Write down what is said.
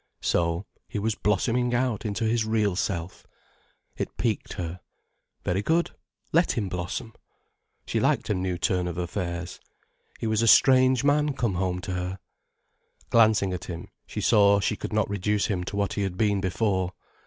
So, he was blossoming out into his real self! It piqued her. Very good, let him blossom! She liked a new turn of affairs. He was a strange man come home to her. Glancing at him, she saw she could not reduce him to what he had been before.